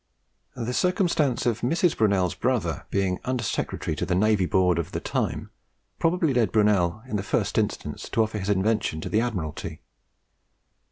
The circumstance of Mrs. Brunel's brother being Under Secretary to the Navy Board at the time, probably led Brunel in the first instance to offer his invention to the Admiralty.